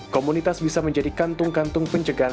komunitas bisa menjadi kantung kantung pencegahan